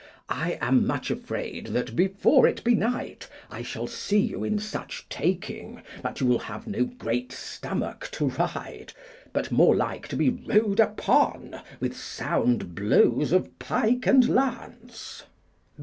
I am much afraid that, before it be night, I shall see you in such taking that you will have no great stomach to ride, but more like to be rode upon with sound blows of pike and lance.